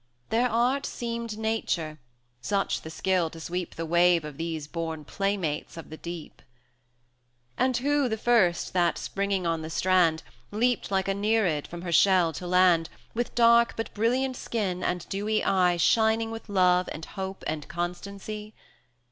180 Their art seemed nature such the skill to sweep The wave of these born playmates of the deep. VIII. And who the first that, springing on the strand, Leaped like a Nereid from her shell to land, With dark but brilliant skin, and dewy eye Shining with love, and hope, and constancy?